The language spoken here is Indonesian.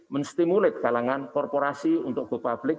menstimulir kalangan korporasi untuk go public